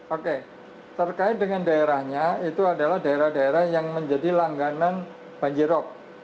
oke terkait dengan daerahnya itu adalah daerah daerah yang menjadi langganan banjirop